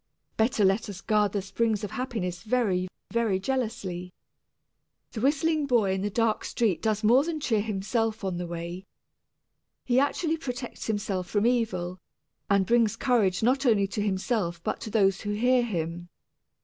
Better let us guard the springs of happiness very, very jealously. The whistling boy in the dark street does more than cheer himself on the way. He actually protects himself from evil, and brings courage not only to himself, but to those who hear him.